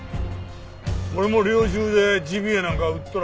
俺も猟銃でジビエなんか撃っとらん。